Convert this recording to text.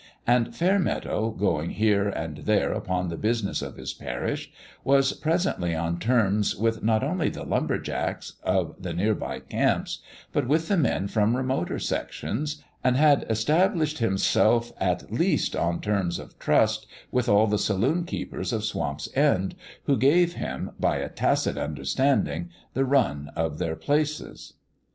And Fairmeadow, going here and there upon the business of his parish, was presently on terms with not only the lumber jacks of the near by camps, but with the men from remoter sections, and had established himself at least on terms of trust with all the saloon keepers of Swamp's End, who gave him, by a tacit understanding, the " run " of their " places."